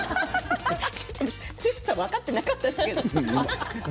剛さん分かっていなかったけどね。